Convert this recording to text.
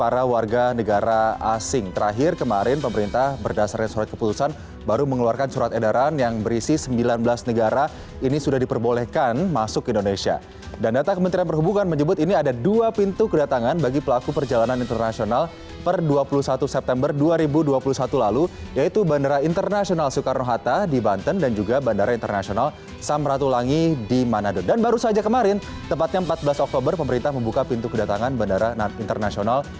dan baru saja kemarin tepatnya empat belas oktober pemerintah membuka pintu kedatangan bandara internasional